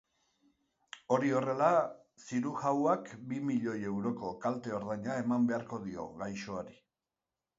Hori horrela, zirujauak bi milioi euroko kalte-ordaina eman beharko dio gaixoari.